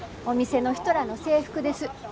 お店の人らの制服です。